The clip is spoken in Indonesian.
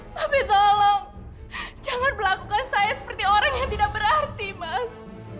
tapi tolong jangan melakukan saya seperti orang yang tidak berarti mas